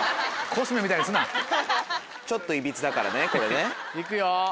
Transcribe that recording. ちょっといびつだからねこれね。行くよ。